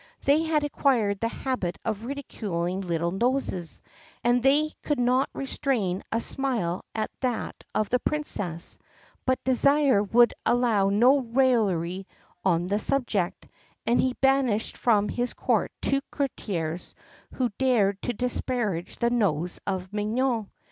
They had acquired the habit of ridiculing little noses, and they could not restrain a smile at that of the Princess, but Désir would allow no raillery on this subject, and he banished from his court two courtiers who had dared to disparage the nose of Mignone.